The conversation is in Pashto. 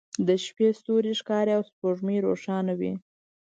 د شپې ستوری ښکاري او سپوږمۍ روښانه وي